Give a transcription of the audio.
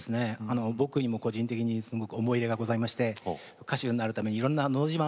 僕にも個人的に思い出がございまして歌手になるためにいろんな「のど自慢」